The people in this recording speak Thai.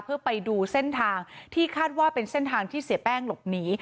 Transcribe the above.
เพื่อไปดูเส้นทางที่คาดว่าเป็นเส้นทางที่เสียแป้งหลบหนี